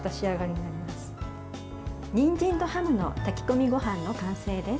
にんじんとハムの炊き込みごはんの完成です。